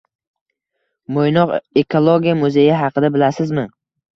Mo‘ynoq ekologiya muzeyi haqida bilasizmi?